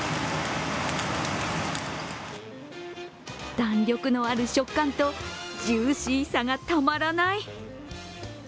弾力のある食感とジューシーさがたまらない。